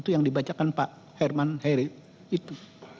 itu yang dibacakan pak herman heri itu